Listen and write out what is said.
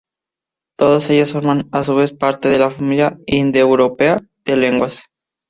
Todas ellas forman a su vez parte de la familia indoeuropea de lenguas.